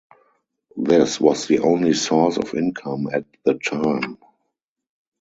This was the only source of income at the time.